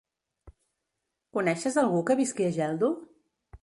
Coneixes algú que visqui a Geldo?